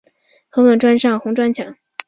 狠狠撞上红砖墙